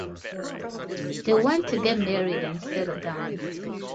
They want to get married and settle down.